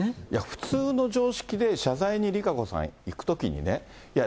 普通の常識で、謝罪にＲＩＫＡＣＯさん、行くときにね、いや、